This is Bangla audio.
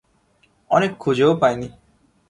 অনেক খুঁজেও পাইনি।